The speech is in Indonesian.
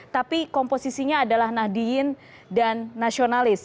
tapi komposisinya adalah nahdiyin dan nasionalis